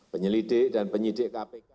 penyelidik dan penyidik kpk